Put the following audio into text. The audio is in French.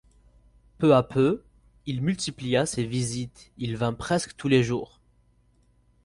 Peu à peu, il multiplia ses visites, il vint presque tous les jours.